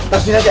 taruh sini aja